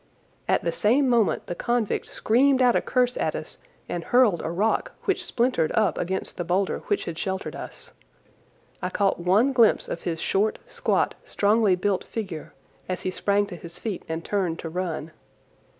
At the same moment the convict screamed out a curse at us and hurled a rock which splintered up against the boulder which had sheltered us. I caught one glimpse of his short, squat, strongly built figure as he sprang to his feet and turned to run.